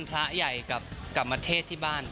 พระใหญ่กลับมาเทศที่บ้าน